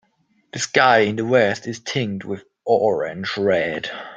The sky in the west is tinged with orange red.